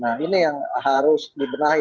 nah ini yang harus dibenahi